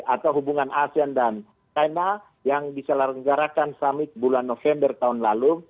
atau hubungan asean dan china yang bisa langgarakan summit bulan november tahun lalu